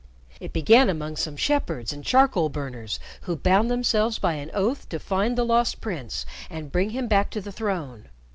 It began among some shepherds and charcoal burners who bound themselves by an oath to find the Lost Prince and bring him back to the throne.